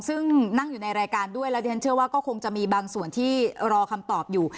ซึ่งนั่งอยู่ในรายการด้วยแล้วดิฉันเชื่อว่าก็คงจะมีบางส่วนที่รอคำตอบอยู่